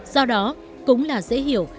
do đó cũng là dễ hiểu